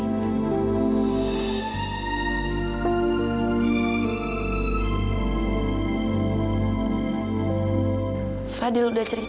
aku adalah orang kurang